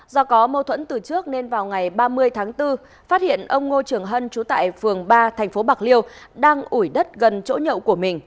do có mâu thuẫn từ trước nên vào ngày ba mươi tháng bốn phát hiện ông ngô trường hân trú tại phường ba thành phố bạc liêu đang ủi đất gần chỗ nhậu của mình